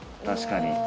確かに。